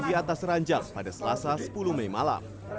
di atas ranjang pada selasa sepuluh mei malam